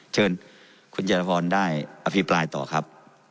เชิญคุณเจรพรได้อภิปรายต่อครับ